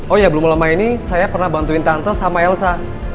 oh ya belum lama ini saya pernah bantuin tante sama elsa